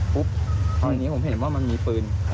ปุ๊บตอนนี้ผมเห็นว่ามันมีปืน